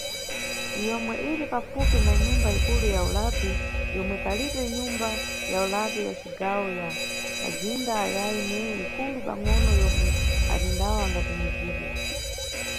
Yomwe iri pafupi na Nyumba Ikulu ya ulapi yomwe palibe nyumba ya ulapi ya cigawo ya kanʼzinda ayayi neye ikulu pangʼono yomwe atendawo angatumizidwe.